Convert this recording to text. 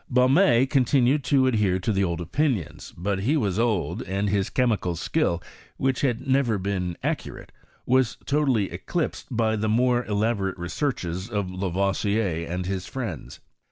Baume continued to adhere to the old opinions ; but he was old, and his chemical skill, which had never been accurate, was totally eclipsed by the more elaborate re searches of Lavoisier and his friends.